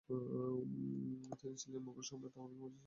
তিনি ছিলেন মোগল সম্রাট আওরঙ্গজেবের চাচা ছিলেন।